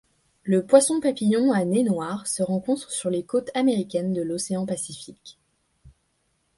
Le poisson-papillon à nez noir se rencontre sur les côtes américaines de l'océan Pacifique.